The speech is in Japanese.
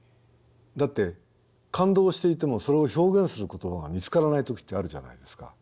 だって感動していてもそれを表現する言葉が見つからない時ってあるじゃないですか。